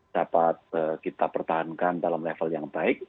dapat kita pertahankan dalam level yang baik